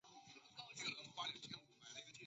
做到政治自觉、法治自觉和检察自觉